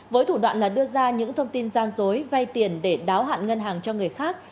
với thủ đoạn là đưa ra những thông tin gian dối vay tiền để đáo hạn ngân hàng cho người khác